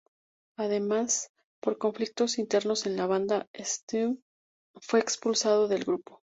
Además, por conflictos internos en la banda, Sven fue expulsado del grupo.